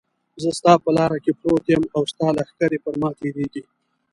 زه ستا په لاره کې پروت یم او ستا لښکرې پر ما تېرېږي.